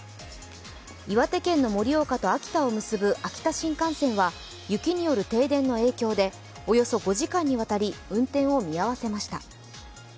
岩手県の盛岡と秋田を結ぶ秋田新幹線は雪による停電の影響でおよそ５時間にわたり運転を見合わせました。